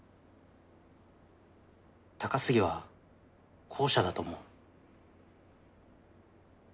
高杉は後者だと思う。